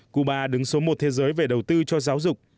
cuba đứng số một thế giới về đầu tư cho giáo dục